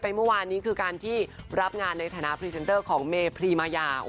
แต่ว่าเขาแค่พูดในลักษณะที่เหมือนแบบว่า